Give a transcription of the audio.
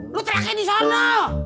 lo terakhir disana